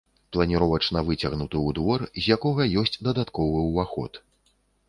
Планіровачна выцягнуты ў двор, з якога ёсць дадатковы ўваход.